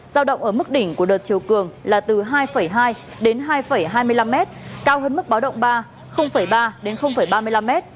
giao động ở mức đỉnh của đợt chiều cường là từ hai hai đến hai hai mươi năm m cao hơn mức báo động ba ba đến ba mươi năm m